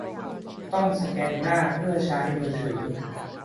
ต้องสแกนหน้าเพื่อใช้มือถือ